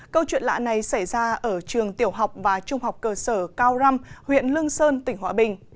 câu chuyện lạ này xảy ra ở trường tiểu học và trung học cơ sở cao răm huyện lương sơn tỉnh hòa bình